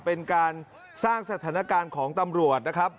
เป็นการสร้างสถานการณ์ของตำรวจนะครับ